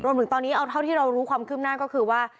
ถึงตอนนี้เอาเท่าที่เรารู้ความคืบหน้าก็คือว่า